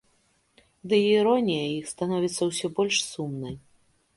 Дый іронія іх становіцца ўсё больш сумнай.